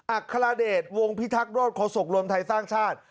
อัครเดชวงพิทักษกรวมไทยสร้างชาติ